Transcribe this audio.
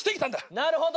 なるほど。